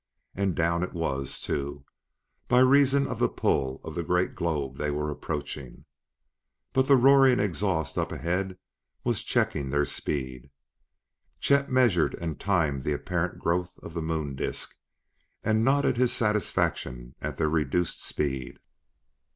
And down it was, too, by reason of the pull of the great globe they were approaching. But the roaring exhaust up ahead was checking their speed; Chet measured and timed the apparent growth of the Moon disk and nodded his satisfaction at their reduced speed.